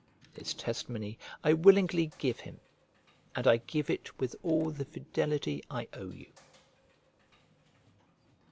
This testimony I willingly give him; and I give it with all the fidelity I owe you.